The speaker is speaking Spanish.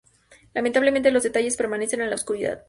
Lamentablemente los detalles permanecen en la oscuridad.